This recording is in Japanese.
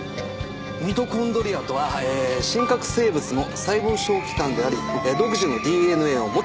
「ミトコンドリアとは真核生物の細胞小器官であり独自のＤＮＡを持ち」。